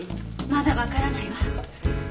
まだわからないわ。